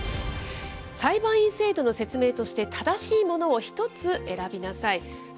裁判員制度の説明として正しいものを、１つ選びなさい。